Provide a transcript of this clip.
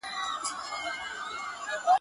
ټیک راسره وژړل پېزوان راسره وژړل!.